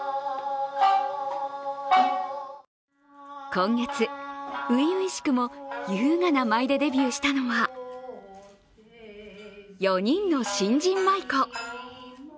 今月、初々しくも優雅な舞でデビューしたのは４人の新人舞子。